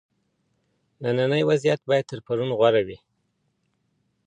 نننی وضعیت باید تر پرون غوره وي.